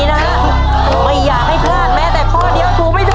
นะฮะไม่อยากให้พลาดแม้แต่ข้อเดียวถูกไม่ถูก